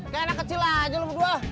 keenak kecil aja lu berdua